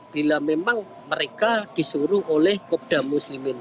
bila memang mereka disuruh oleh kopda muslimin